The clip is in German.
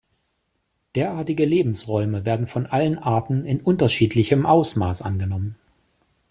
Derartige Lebensräume werden von allen Arten in unterschiedlichem Ausmaß angenommen.